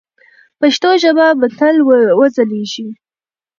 پښتو ژبه به تل وځلیږي.